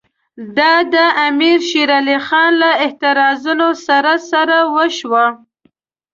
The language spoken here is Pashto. دا د امیر شېر علي خان له اعتراضونو سره سره وشوه.